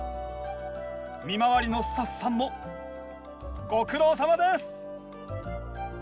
見回りのスタッフさんもご苦労さまです！